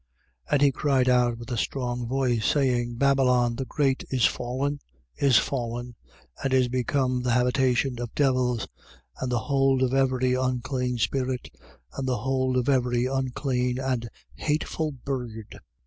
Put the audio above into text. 18:2. And he cried out with a strong voice, saying: Babylon the great is fallen, is fallen: and is become the habitation of devils and the hold of every unclean spirit and the hold of every unclean and hateful bird: 18:3.